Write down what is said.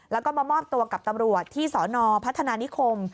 แล้วก็มามอบตัวกับตำรวจที่สนพัฒนานิคม